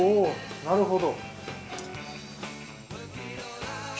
なるほど。